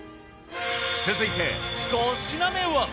続いて５品目は。